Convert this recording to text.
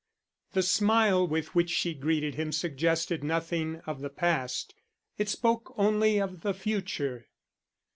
The smile with which she greeted him suggested nothing of the past. It spoke only of the future.